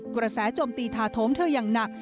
กระแสจมตีธาโทมเธอยังหนัก